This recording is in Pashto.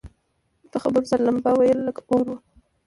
په خبرو سره لمبه وه لکه اور وه